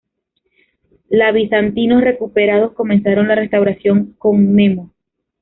La bizantinos recuperados comenzaron la restauración Comneno.